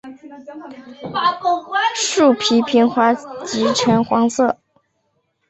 树皮平滑及呈黄色。